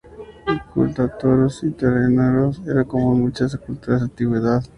El culto a toros y terneros era común a muchas culturas de la Antigüedad.